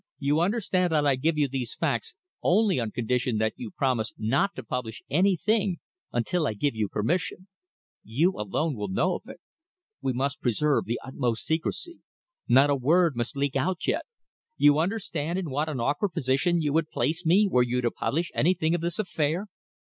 You understand that I give you these facts only on condition that you promise not to publish any thing until I give you permission. You alone will know of it. We must preserve the utmost secrecy. Not a word must leak out yet. You understand in what an awkward position you would place me were you to publish anything of this affair."